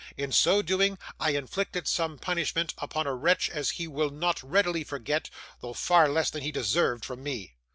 In so doing, I inflicted such punishment upon a wretch as he will not readily forget, though far less than he deserved from me.